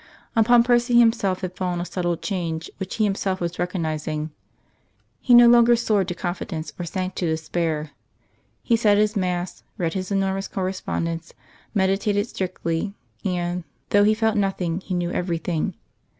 Upon Percy himself had fallen a subtle change which he himself was recognising. He no longer soared to confidence or sank to despair. He said his mass, read his enormous correspondence, meditated strictly; and, though he felt nothing he knew everything.